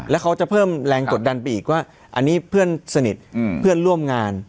แล้วเขาจะเพิ่มแรงกดดันไปอีกว่าอันนี้เพื่อนสนิทเพื่อนร่วมงาน